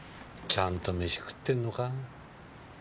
ちゃんと飯食ってんのか？